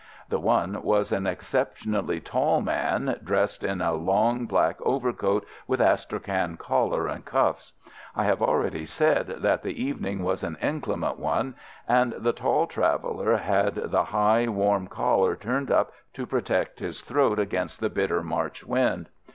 The one was an exceptionally tall man, dressed in a long black overcoat with Astrakhan collar and cuffs. I have already said that the evening was an inclement one, and the tall traveller had the high, warm collar turned up to protect his throat against the bitter March wind.